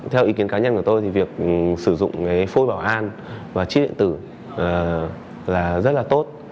theo ý kiến cá nhân của tôi thì việc sử dụng phôi bảo an và chi điện tử là rất là tốt